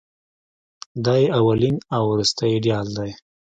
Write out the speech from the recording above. دای یې اولین او وروستۍ ایډیال دی.